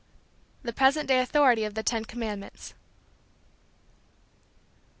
VI. THE PRESENT DAY AUTHORITY OF THE TEN COMMANDMENTS.